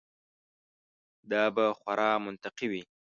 دا به خورا منطقي وي.